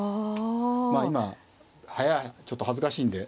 まあ今ちょっと恥ずかしいんで。